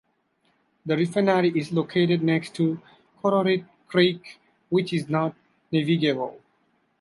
The refinery is located next to Kororoit Creek which is not navigable.